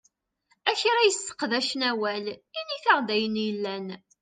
A kra yesseqdacen awal, init-aɣ-d ayen yellan!